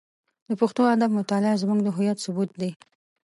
د پښتو ادب مطالعه زموږ د هویت ثبوت دی.